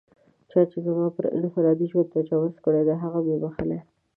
چا چې زما پر انفرادي ژوند تجاوز کړی دی، هغه مې و بښل.